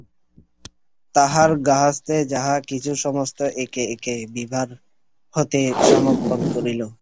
তাহার গার্হস্থ্যের যাহা- কিছু সমস্ত একে একে বিভার হাতে সমর্পণ করিল।